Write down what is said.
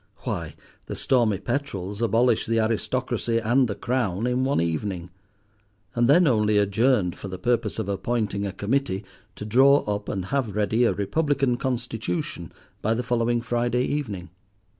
Why, "The Stormy Petrels" abolished the aristocracy and the Crown in one evening, and then only adjourned for the purpose of appointing a committee to draw up and have ready a Republican Constitution by the following Friday evening.